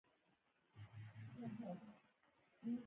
احمدشاه بابا د ډېرو جګړو مشري وکړه.